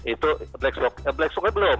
itu black spock nya belum